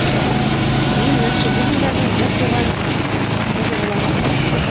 Мин ни Нәсибуллиндарҙың бер туған... ҡыҙы булам.